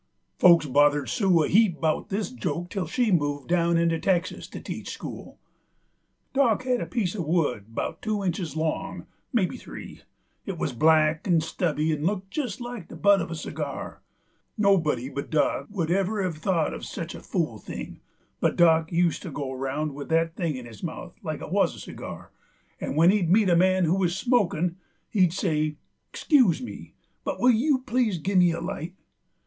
Folks bothered Sue a heap 'bout this joke till she moved down into Texas to teach school. Dock had a piece uv wood 'bout two inches long, maybe three: it wuz black 'nd stubby 'nd looked jest like the butt uv a cigar. Nobody but Dock w'u'd ever hev thought uv sech a fool thing, but Dock used to go round with that thing in his mouth like it wuz a cigar, and when he 'd meet a man who wuz smokin' he'd say: "Excuse me, but will you please to gimme a light?"